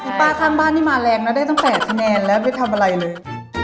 คุณป้าข้างบ้านนี่มาแรงนะได้ตั้งแต่คะแนนแล้วไม่ทำอะไรเลย